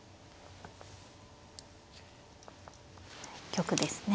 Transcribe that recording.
玉ですね。